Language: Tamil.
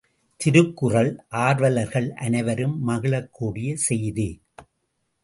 திருக்குறள் ஆர்வலர்கள் அனைவரும் மகிழக் கூடிய செய்தி!